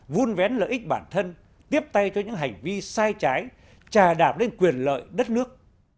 vun vén lợi ích bản thân tiếp tay cho những hành vi sai trái trà đạp đến quyền lợi đất nước